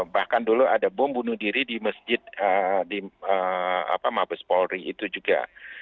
bahkan dulu ada bom bunuh diri di masjid di mabes polri itu juga